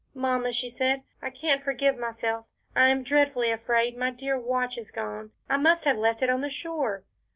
"Mamma," she said, "I can't forgive myself, I am dreadfully afraid my dear watch is gone. I must have left it on the shore."